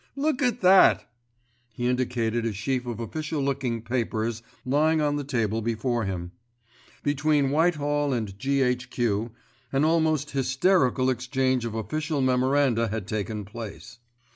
Look at that!" He indicated a sheaf of official looking papers lying on the table before him. Between Whitehall and G.H.Q. an almost hysterical exchange of official memoranda had taken place.